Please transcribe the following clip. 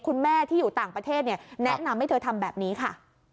คุณแม่ที่อยู่ต่างประเทศเนี่ยแนะนำให้เธอทำแบบนี้ค่ะ